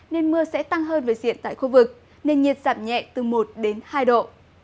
nên mưa sẽ tăng hơn về diện tại khu vực nền nhiệt giảm nhẹ từ một đến hai độ